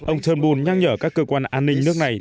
ông turnbul nhắc nhở các cơ quan an ninh nước này